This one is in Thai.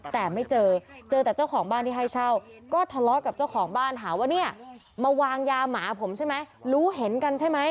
แต่ไม่เจอเจอแต่เจ้าของบ้านที่ให้เช่าก็ทะเลาะกับเจ้าของบ้านหาว่าเนี่ยมาวางยาหมาผมใช่ไหมรู้เห็นกันใช่ไหม